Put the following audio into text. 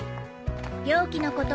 病気のこと